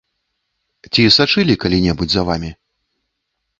Ці сачылі калі-небудзь за вамі?